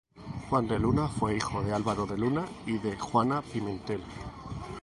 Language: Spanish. Juan de Luna fue hijo de Álvaro de Luna y de Juana Pimentel.